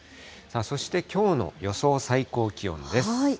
そしてきょうの予想最高気温です。